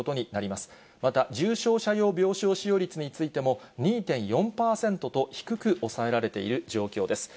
また、重症者用病床使用率についても、２．４％と低く抑えられている状況です。